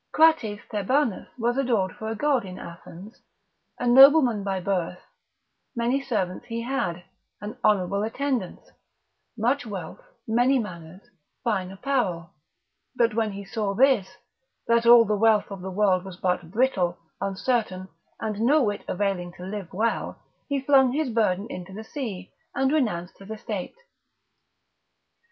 Crates Thebanus was adored for a God in Athens, a nobleman by birth, many servants he had, an honourable attendance, much wealth, many manors, fine apparel; but when he saw this, that all the wealth of the world was but brittle, uncertain and no whit availing to live well, he flung his burden into the sea, and renounced his estate.